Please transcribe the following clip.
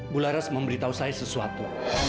bularas memberitahu saya sesuatu